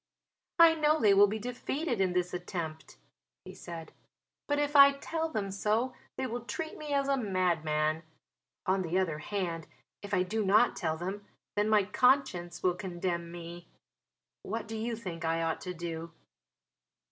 "I know they will be defeated in this attempt," he said. "But if I tell them so they will treat me as a madman. On the other hand, if I do not tell them, then my conscience will condemn me. What do you think I ought to do?"